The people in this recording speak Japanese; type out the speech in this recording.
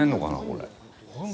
これ。